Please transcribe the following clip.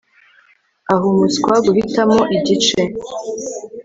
Ah umuswa guhitamo igice